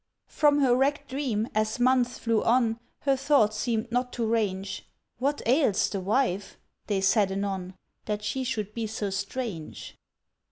From her wrecked dream, as months flew on, Her thought seemed not to range. "What ails the wife?" they said anon, "That she should be so strange?"